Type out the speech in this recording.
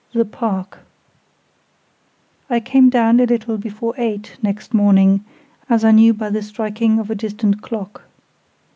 THE PARK I came down a little before eight, next morning, as I knew by the striking of a distant clock.